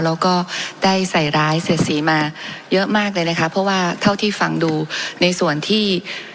แล้วก็ได้ใส่ร้ายเสียดสีมาเยอะมากเลยนะคะเพราะว่าเท่าที่ฟังดูในส่วนที่